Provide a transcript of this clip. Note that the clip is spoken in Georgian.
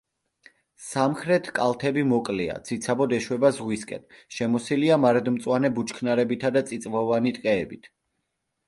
სამხრეთ კალთები მოკლეა, ციცაბოდ ეშვება ზღვისკენ, შემოსილია მარადმწვანე ბუჩქნარებითა და წიწვოვანი ტყეებით.